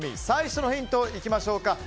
最初のヒントいきましょう。